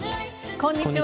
こんにちは。